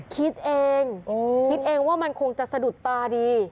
คิดเองคิดเองว่ามันคงจะสะดุดตาดี